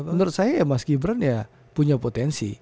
menurut saya ya mas gibran ya punya potensi